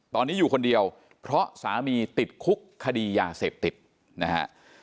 ตอนนี้อยู่คนเดียวเพราะสามีติดคุกคดียาเสพติดนะฮะ